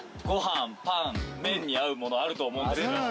ご飯パン麺に合うものあると思うんですよ。